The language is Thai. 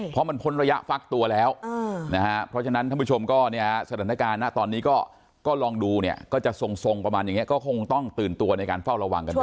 เพราะมันพ้นระยะฟักตัวแล้วนะฮะเพราะฉะนั้นท่านผู้ชมก็เนี่ยสถานการณ์นะตอนนี้ก็ลองดูเนี่ยก็จะทรงประมาณอย่างนี้ก็คงต้องตื่นตัวในการเฝ้าระวังกันด้วย